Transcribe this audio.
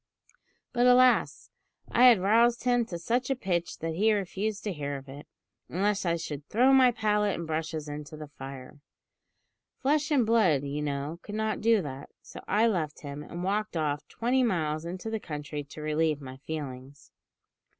But, alas! I had roused him to such a pitch that he refused to hear of it, unless I should `_throw my palette and brushes into the fire_!' Flesh and blood, you know, could not do that, so I left him, and walked off twenty miles into the country to relieve my feelings.